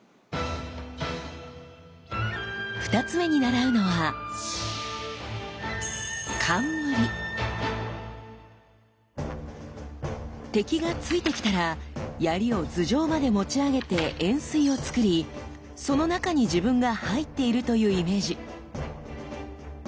２つ目に習うのは敵が突いてきたら槍を頭上まで持ち上げて円錐をつくりその中に自分が入っているというイメージ。